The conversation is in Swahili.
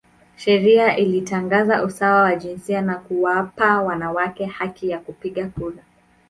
Sheria ilitangaza usawa wa jinsia na kuwapa wanawake haki ya kupiga kura.